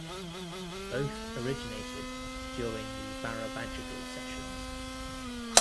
Both originated during the "Barabajagal" sessions.